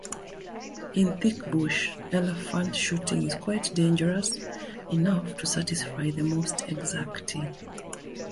In thick bush, elephant-shooting is quite dangerous enough to satisfy the most exacting.